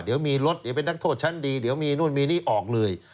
เดี๋ยวมีรถเดี๋ยวเป็นนักโทษชั้นดีเดี๋ยวมีนู่นมีนี่ออกเลย